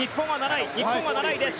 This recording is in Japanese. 日本は７位です。